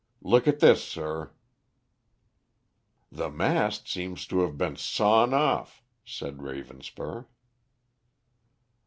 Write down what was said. Look at this, sir." "The mast seems to have been sawn off," said Ravenspur.